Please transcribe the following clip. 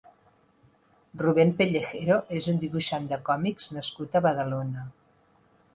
Rubén Pellejero és un dibuixant de còmics nascut a Badalona.